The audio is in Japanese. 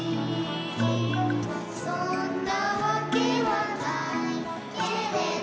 「そんなわけはないけれど」